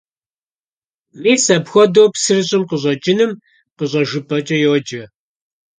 Мис апхуэдэу псыр щӀым къыщӀэкӀыным къыщӀэжыпӀэкӀэ йоджэ.